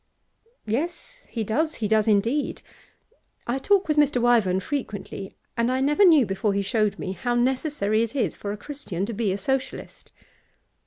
'Yes, he does; he does indeed. I talk with Mr. Wyvern frequently, and I never knew, before he showed me, how necessary it is for a Christian to be a Socialist.